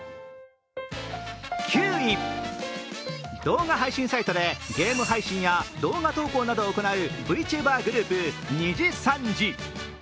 ９位、動画配信サイトでゲーム配信や動画投稿などを行うＶＴｕｂｅｒグループ、にじさんじ。